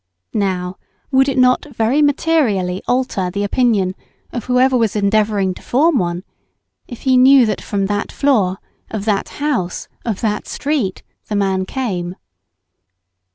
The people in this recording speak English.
Now, would it not very materially alter the opinion of whoever were endeavouring to form one, if he knew that from that floor, of that house, of that street the man came.